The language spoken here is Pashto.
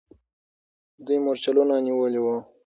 دوی مرچلونه نیولي وو.